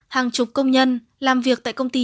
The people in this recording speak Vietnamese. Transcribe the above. hàng chục công nhân làm việc tại công ty